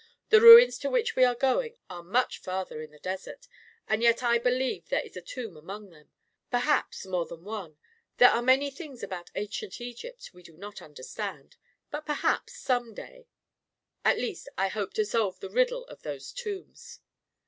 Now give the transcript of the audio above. The ruins to which we are go ing are much farther in the desert, and yet I believe there is a tomb among them — perhaps more than ii 4 A KING IN BABYLON one. There are many things about ancient Egypt we do not understand — but perhaps, some day — At least, I hope to solve the riddle of those tombs."